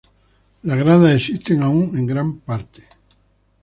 Las gradas existen aún en gran parte.